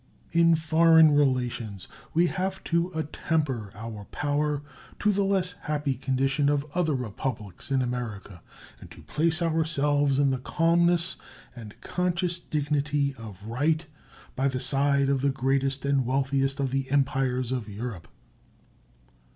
In foreign relations we have to attemper our power to the less happy condition of other Republics in America and to place ourselves in the calmness and conscious dignity of right by the side of the greatest and wealthiest of the Empires of Europe.